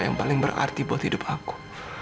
yang paling berarti buat hidup aku